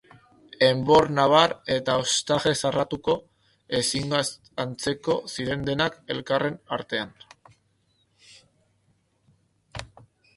Enbor nabar eta hostaje zarratuko, ezinago antzekoak ziren denak elkarren artean.